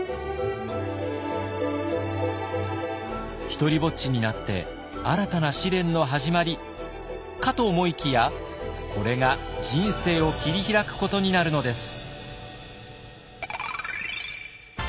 独りぼっちになって新たな試練の始まりかと思いきやこれが人生を切り開くことになるのです。